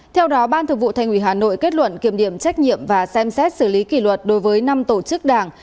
theo đó ban thực vụ thành ủy hà nội kết luận kiểm điểm trách nhiệm và xem xét xử lý kỷ luật đối với năm tổ chức đảng